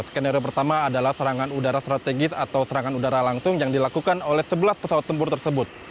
skenario pertama adalah serangan udara strategis atau serangan udara langsung yang dilakukan oleh sebelas pesawat tempur tersebut